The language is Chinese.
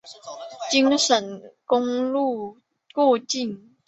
京沈公路过境。